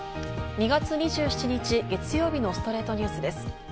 ２月２７日、月曜日の『ストレイトニュース』です。